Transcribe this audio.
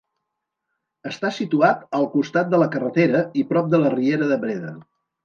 Està situat al costat de la carretera i prop de la riera de Breda.